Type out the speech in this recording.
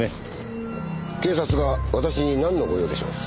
警察が私になんの御用でしょう。